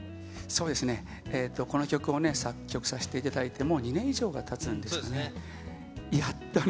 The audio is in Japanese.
この曲をね、作曲させていただいて、もう２年以上がたつんですかね。